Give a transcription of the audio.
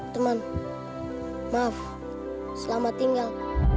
teman maaf selamat tinggal